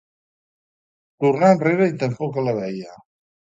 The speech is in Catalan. Tornà enrere i tampoc la veia.